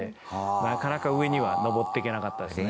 なかなか上には上っていけなかったですね。